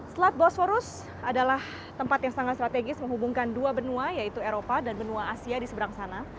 slat bosforus adalah tempat yang sangat strategis menghubungkan dua benua yaitu eropa dan benua asia di seberang sana